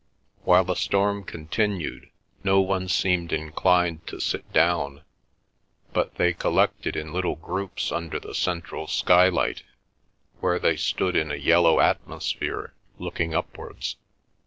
While the storm continued, no one seemed inclined to sit down, but they collected in little groups under the central skylight, where they stood in a yellow atmosphere, looking upwards.